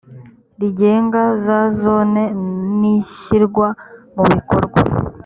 rigenga za zone n ishyirwa mu bikorwa